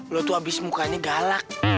lo tuh habis mukanya galak